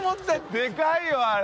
でかいよあれ。